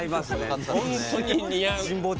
本当に似合う。